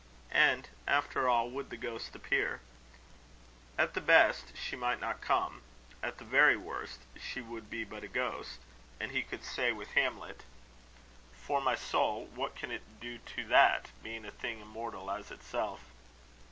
And, after all, would the ghost appear? At the best, she might not come; at the very worst, she would be but a ghost; and he could say with Hamlet "for my soul, what can it do to that, Being a thing as immortal as itself?"